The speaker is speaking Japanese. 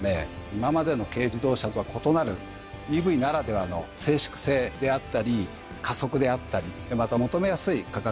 今までの軽自動車とは異なるＥＶならではの静粛性であったり加速であったりまた求めやすい価格で提供してます。